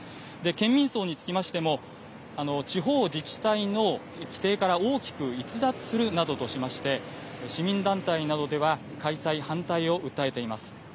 県民葬につきましても、地方自治体の規定から大きく逸脱するなどとしまして、市民団体などでは開催反対を訴えています。